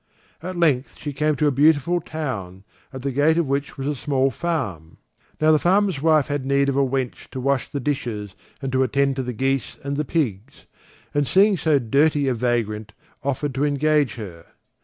At length she came to a beautiful town, at the gate of which was a small farm. Now the farmer's wife had need of a wench to wash the dishes and to attend to the geese and the pigs, and seeing so dirty a vagrant offered to engage her.